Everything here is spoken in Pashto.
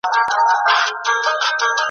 په ښو مي یاد کړی زړو، زلمیانو ,